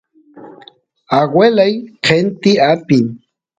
aguelay qenti apin